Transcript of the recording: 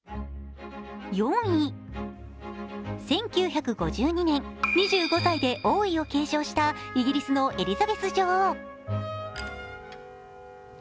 ４位、１９５２年、２５歳で王位を継承したイギリスのエリザベス女王。